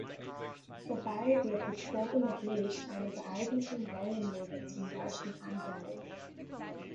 Dabei wird die Probe mit Licht einer geeigneten Wellenlänge zum Leuchten angeregt.